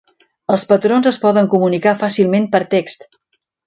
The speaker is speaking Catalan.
Els patrons es poden comunicar fàcilment per text.